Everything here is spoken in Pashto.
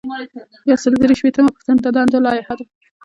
یو سل او درې شپیتمه پوښتنه د دندو لایحه ده.